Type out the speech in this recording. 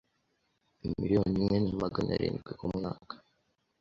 miliyoni imwe namagana arindwi ku mwaka,